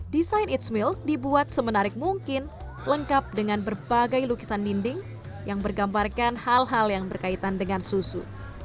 desain ⁇ its ⁇ milk dibuat semenarik mungkin lengkap dengan berbagai lukisan dinding yang bergambarkan hal hal yang berkaitan dengan susu